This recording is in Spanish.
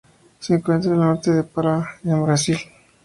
Se encuentra en el norte de Pará en Brasil.